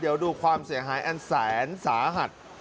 เดี๋ยวดูความเสียหายอันแสนสาหัส